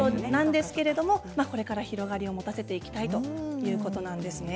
これから広がりを持たせていきたいということです。